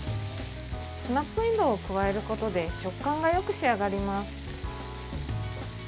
スナップえんどうを加えることで食感がよく仕上がります。